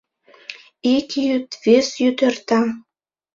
Ик йӱд, вес йӱд эрта.